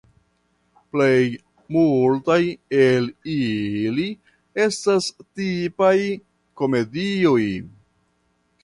Plej multaj el ili estas tipaj komedioj.